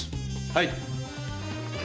はい。